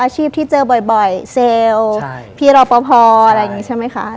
ที่เจอบ่อยเซลล์พี่รอปภอะไรอย่างนี้ใช่ไหมคะ